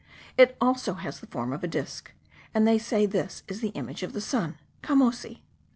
It has the form of a disc; and they say this is the image of the sun (Camosi).